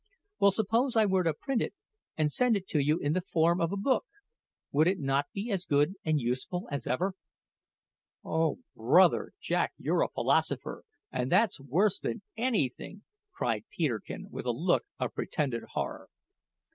"Well, suppose I were to print it and send it to you in the form of a book, would it not be as good and useful as ever?" "Oh, bother! Jack, you're a philosopher, and that's worse than anything!" cried Peterkin with a look of pretended horror.